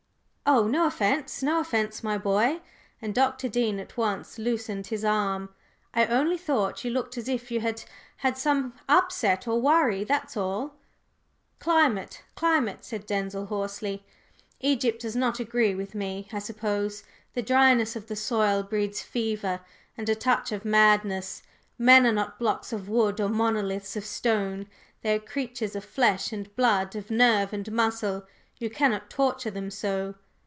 "Oh, no offence; no offence, my boy!" and Dr. Dean at once loosened his arm. "I only thought you looked as if you had had some upset or worry, that's all." "Climate! climate!" said Denzil, hoarsely. "Egypt does not agree with me, I suppose! the dryness of the soil breeds fever and a touch of madness! Men are not blocks of wood or monoliths of stone; they are creatures of flesh and blood, of nerve and muscle; you cannot torture them so.